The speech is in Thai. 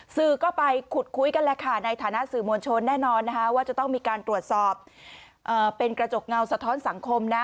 สื่อก็ไปขุดคุยกันแหละค่ะในฐานะสื่อมวลชนแน่นอนนะคะว่าจะต้องมีการตรวจสอบเป็นกระจกเงาสะท้อนสังคมนะ